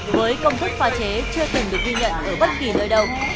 với công thức pha chế chưa từng được ghi nhận ở bất kỳ nơi đâu